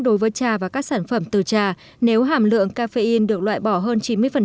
đối với trà và các sản phẩm từ trà nếu hàm lượng caffein được loại bỏ hơn chín mươi